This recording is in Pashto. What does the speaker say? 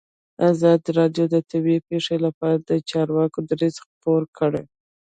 ازادي راډیو د طبیعي پېښې لپاره د چارواکو دریځ خپور کړی.